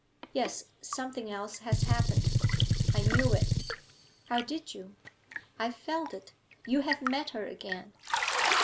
'Yes, something else has happened.' 'I knew it.' 'How did you ?' 'I felt it. You have met her again.'